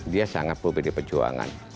dia sangat berpilih perjuangan